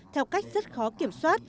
theo cách rất khó kiểm soát